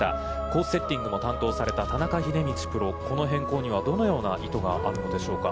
コースセッティングも担当された田中秀道プロ、この辺にはどのような意図があるのでしょうか。